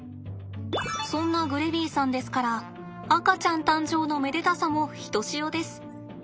そんなグレビーさんですから赤ちゃん誕生のめでたさもひとしおです。